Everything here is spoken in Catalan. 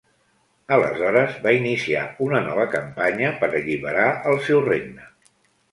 Aleshores, va iniciar una nova campanya per alliberar el seu regne.